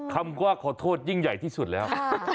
คำว่าขอโทษยิ่งใหญ่ที่สุดแล้ว